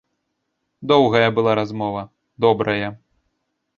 Доўгая была размова, добрая.